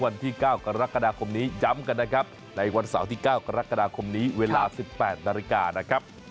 วันที่๙กรกฎาคมนี้ย้ำกันนะครับในวันเสาร์ที่๙กรกฎาคมนี้เวลา๑๘นาฬิกานะครับ